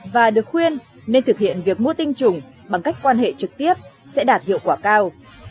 và được khuyên nên thực hiện việc mua tinh trùng bằng cách quan hệ trực tiếp sẽ đạt hiệu quả cao